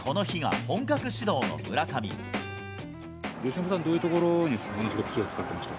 由伸さん、どういうところに気を遣ってました？